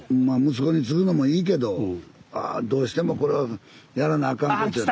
まあ息子に継ぐのもいいけどあどうしてもこれはやらなあかん。